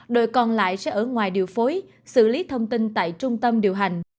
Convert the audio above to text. đội còn lại sẽ ở ngoài điều phối xử lý thông tin tại trung tâm điều hành